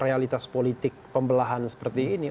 realitas politik pembelahan seperti ini